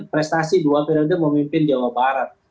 prestasi dua periode memimpin jawa barat